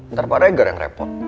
ntar pak regar yang repot